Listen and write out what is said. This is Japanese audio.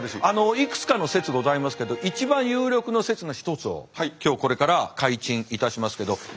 あのいくつかの説ございますけど一番有力の説の一つを今日これから開陳いたしますけど。